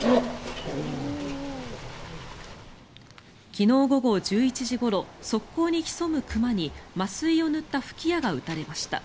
昨日午後１１時ごろ側溝に潜む熊に麻酔を塗った吹き矢が打たれました。